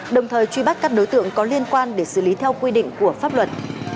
đồng thời truy bắt các đối tượng có liên quan để xử lý theo quy định của pháp luật